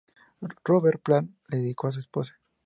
Robert Plant la dedicó a su esposa.